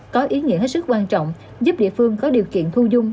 có ý nghĩa hết sức quan trọng giúp địa phương có điều kiện thu dung